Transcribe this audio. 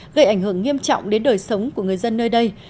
gây ảnh hưởng nghiêm trọng đến đời sống của người dân nơi đây